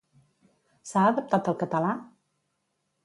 S'ha adaptat al català?